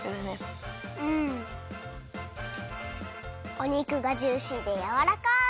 お肉がジューシーでやわらかい！